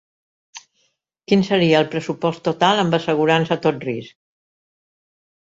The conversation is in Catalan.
Quin seria el pressupost total, amb assegurança a tot risc?